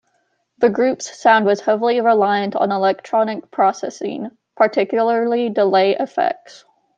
The group's sound was heavily reliant on electronic processing, particularly delay effects.